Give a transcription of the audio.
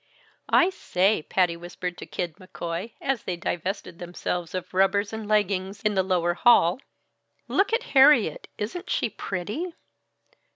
"I say," Patty whispered to Kid McCoy as they divested themselves of rubbers and leggins in the lower hall. "Look at Harriet! Isn't she pretty?"